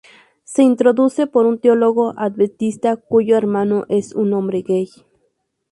Se introduce por un teólogo Adventista cuyo hermano es un hombre gay.